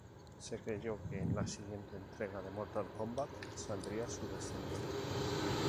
Se creyó que en la siguiente entrega de Mortal Kombat saldría su descendiente.